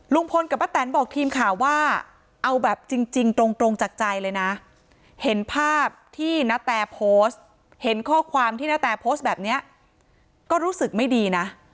ลุงพลกับป้าแตนบอกทีมข่าวว่าเอาแบบจริงตรงจากใจเลยนะเห็นภาพที่ณแตโพสต์เห็นข้อความที่นาแตโพสต์แบบนี้ก็รู้สึกไม่ดีนะ